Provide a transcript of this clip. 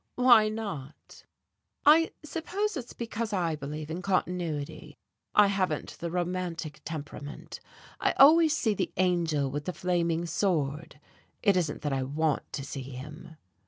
"Why not?" "I suppose it's because I believe in continuity, I haven't the romantic temperament, I always see the angel with the flaming sword. It isn't that I want to see him."